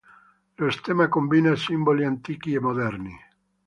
Lo stemma combina simboli antichi e moderni.